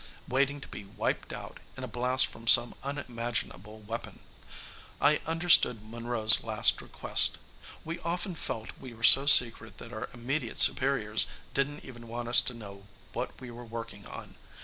Waiting to be wiped out, in a blast from some unimaginable weapon. I understood Monroe's last request. We often felt we were so secret that our immediate superiors didn't even want us to know what we we were working on.